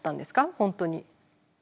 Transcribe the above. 本当に。